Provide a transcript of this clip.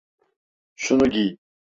Şunu giy.